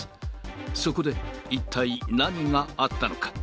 そこで一体何があったのか。